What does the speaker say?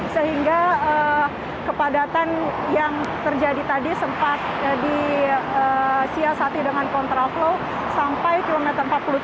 sehingga kepadatan yang terjadi tadi sempat disiasati dengan kontraflow sampai kilometer empat puluh tiga